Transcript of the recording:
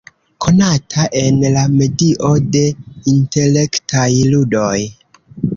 Konata en la medio de intelektaj ludoj.